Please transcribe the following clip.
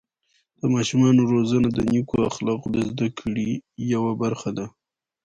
د ماشومانو روزنه د نیکو اخلاقو د زده کړې یوه برخه ده.